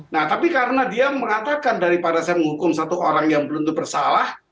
nah tapi karena dia mengatakan daripada saya menghukum satu orang yang belum itu bersalah